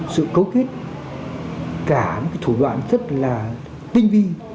sự cấu kết cả những thủ đoạn rất là tinh vi